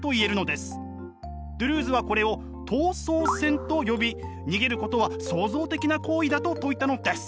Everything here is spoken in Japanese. ドゥルーズはこれを逃走線と呼び逃げることは創造的な行為だと説いたのです。